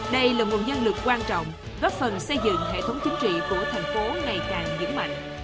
đây là nguồn nhân lực quan trọng góp phần xây dựng hệ thống chính trị của thành phố ngày càng dững mạnh